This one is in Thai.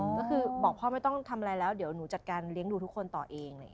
ก็คือบอกพ่อไม่ต้องทำอะไรแล้วเดี๋ยวหนูจัดการเลี้ยงดูทุกคนต่อเอง